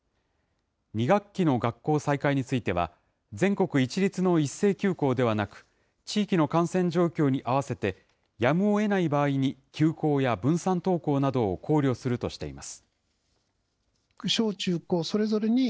２学期の学校再開については、全国一律の一斉休校ではなく、地域の感染状況に合わせて、やむをえない場合に休校や分散登校などを考慮するとしています。